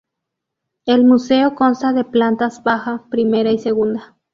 El Museo consta de plantas baja, primera y segunda.